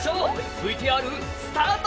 ＶＴＲスタート！